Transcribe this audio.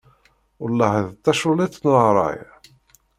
Wellah ar d taculliḍt n ṛṛay!